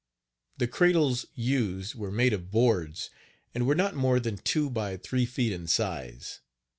The cradles used were made of boards, and were not more than two by three feet in size.